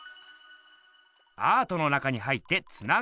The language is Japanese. アートの中に入ってつながれる作ひん。